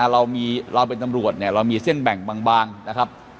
เราเป็นตำรวจเนี่ยเรามีเส้นแบ่งบางนะครับ